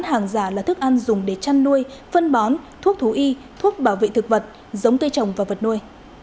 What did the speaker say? hàng giả là thức ăn dùng để chăn nuôi phân bón thuốc thú y thuốc bảo vệ thực vật giống cây trồng và vật nuôi